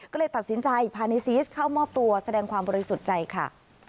ก็เลยตัดสินใจพาในซีสเข้ามอบตัวแสดงความบริสุทธิ์ใจค่ะ